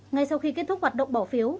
ngay sau khi kết thúc hoạt động bỏ phiếu